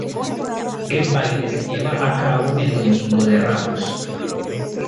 El baile se lleva a cabo el domingo de ramos.